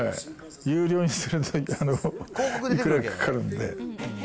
有料にするといくらかかかるんで。